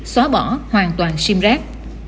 xóa bỏ hoàn toàn sim rác